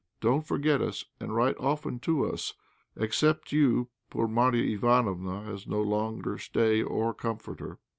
Don't forget us, and write often to us. Except you, poor Marya Ivánofna has no longer stay or comforter."